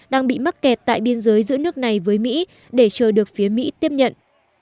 đang bị mắc kẹt tại biên giới giữa nước này với mỹ để chờ được phía mỹ tiếp nhận